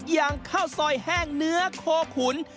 อย่างข้าวซอยแห้งเนื้อโคขุน